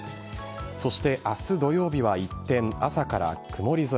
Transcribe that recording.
そして明日土曜日は一転朝から曇り空。